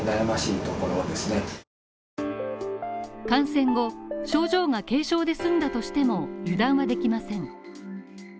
感染後、症状が軽症で済んだとしても油断はできません。